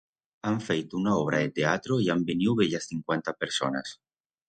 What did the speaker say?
Han feito una obra de teatro y han veniu bellas cincuanta personas.